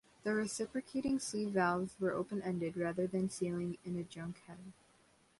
The reciprocating sleeve valves were open-ended, rather than sealing in a junk head.